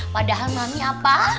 padahal mami apa